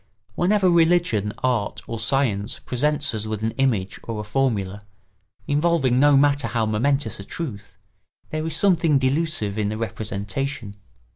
Whenever religion, art, or science presents us with an image or a formula, involving no matter how momentous a truth, there is something delusive in the representation.